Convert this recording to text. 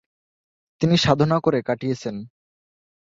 তিনি সাধনা করে কাটিয়েছেন।